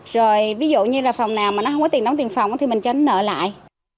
rồi ví dụ như là phòng nào mà nó không có tiền đóng tiền phòng thì mình tránh nợ lại